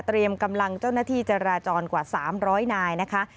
เตรียมกำลังเจ้าหน้าที่จราจรกว่าสามร้อยนายนะคะ